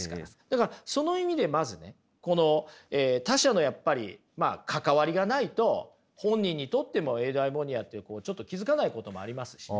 だからその意味でまずねこの他者のやっぱり関わりがないと本人にとってもエウダイモニアってちょっと気付かないこともありますし。